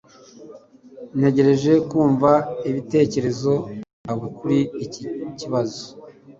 ntegereje kumva ibitekerezo byawe kuri iki kibazo